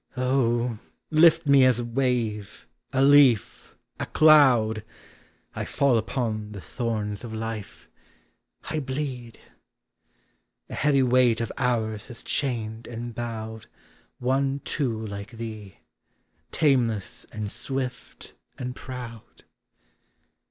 Oh ! lift me as a wave, a leaf, a cloud ! I fall upon the thorns of life! 1 bleed! A heavy weight of hours has chained and bowed One too like thee — tameless, and swift, and proud.